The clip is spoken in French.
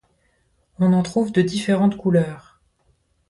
On en trouve de différentes couleurs.